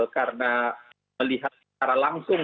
karena melihat secara langsung